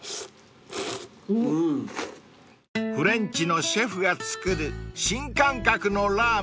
［フレンチのシェフが作る新感覚のラーメン］